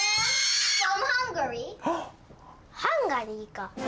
ハンガリーか！